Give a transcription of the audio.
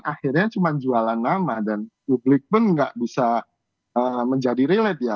akhirnya cuma jualan nama dan publik pun nggak bisa menjadi relate ya